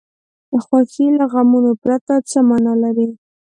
خوښي له غمونو پرته څه معنا لري.